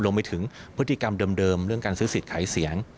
รวมไปถึงพฤติกรรมเดิมเรื่องการซื้อสิทธิ์ขายเสียง